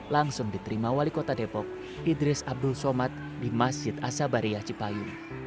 langsung diterima wali kota depok idris abdul somad di masjid asabariyah cipayu